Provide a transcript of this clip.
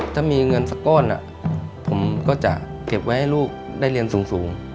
ถ้ามีเงินสักก้อนผมก็จะเก็บไว้ให้ลูกได้เรียนสูง